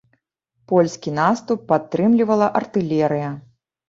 Польскі наступ падтрымлівала артылерыя.